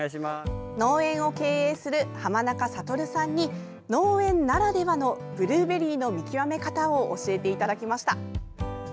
農園を経営する濱中悟さんに農園ならではのブルーベリーの見極め方を教えていただきました。